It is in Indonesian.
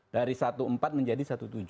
dari satu empat menjadi satu tujuh